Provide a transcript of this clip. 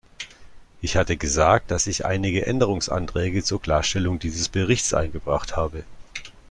Ich hatte gesagt, dass ich einige Änderungsanträge zur Klarstellung dieses Berichts eingebracht habe.